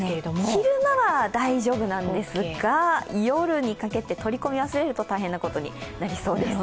昼間は大丈夫なんですが、夜にかけて取り込み忘れると大変なことになりそうです。